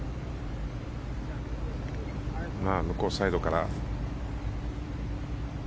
向こうサイドから。